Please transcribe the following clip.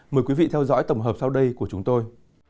mời quý vị theo dõi tổng hợp sau đây của chúng tôi